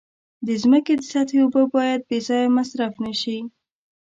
د ځمکې د سطحې اوبه باید بې ځایه مصرف نشي.